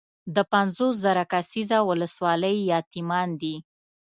د پنځوس زره کسیزه ولسوالۍ یتیمان دي.